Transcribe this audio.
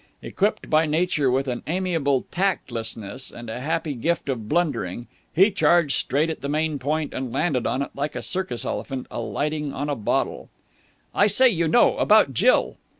Equipped by nature with an amiable tactlessness and a happy gift of blundering, he charged straight at the main point, and landed on it like a circus elephant alighting on a bottle. "I say, you know, about Jill!"